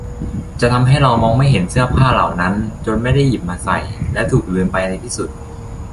จะทำให้เรามองไม่เห็นเสื้อผ้าเหล่านั้น จนไม่ได้หยิบมาใส่ และถูกลืมไปในที่สุด